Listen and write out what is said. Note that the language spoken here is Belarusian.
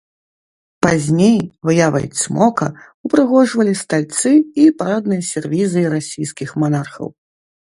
Пазней выявай цмока ўпрыгожвалі стальцы і парадныя сервізы расійскіх манархаў.